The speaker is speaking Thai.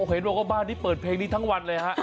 เห็นบอกว่าบ้านนี้เปิดเพลงนี้ทั้งวันเลยฮะ